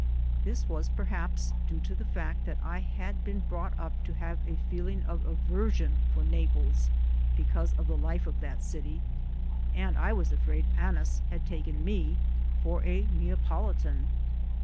This was perhaps due to the fact that I had been brought up to have a feeling of aver sion for Naples because of the life of that city, and I was afraid Annis had taken me for a Neopolitan.